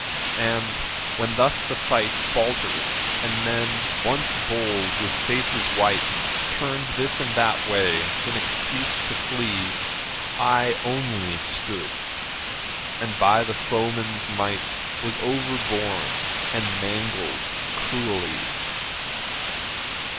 And, when thus the fight Faltered and men once bold with faces white Turned this and that way in excuse to flee, I only stood, and by the foeman's might Was overborne and mangled cruelly.